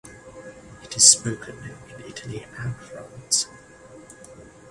It is spoken in Italy and France.